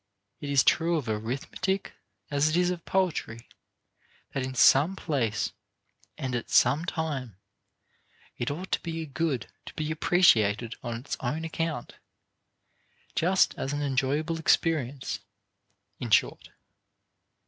It is true of arithmetic as it is of poetry that in some place and at some time it ought to be a good to be appreciated on its own account just as an enjoyable experience, in short.